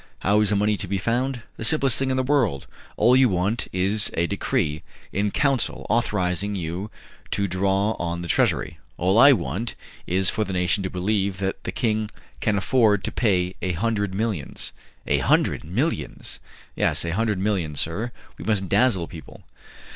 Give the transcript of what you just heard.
"How is the money to be found? The simplest thing in the world. All you want is a decree in council authorizing you to draw on the treasury. All I want is for the nation to believe that the king can afford to pay a hundred millions." "A hundred millions!" "Yes, a hundred millions, sir. We must dazzle people."